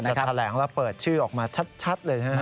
แต่แผนท์แล้วเปิดชื่อออกมาชัดเลยหรือไง